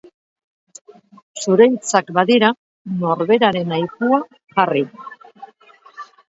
Zure hitzak badira, “Norberaren aipua” jarri.